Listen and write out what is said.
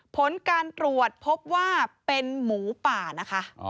ผลการตรวจพบว่าเป็นหมูป่านะคะ